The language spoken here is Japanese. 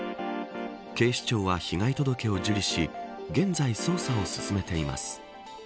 警視庁は被害届を受理し現在、捜査を進めています。